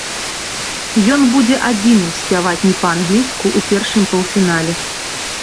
Ён будзе адзіным спяваць не па-англійску ў першым паўфінале.